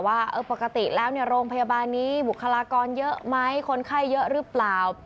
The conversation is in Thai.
ว่าปกติแล้วโรงพยาบาลนี้บุคลากรเยอะไหมคนไข้เยอะหรือเปล่า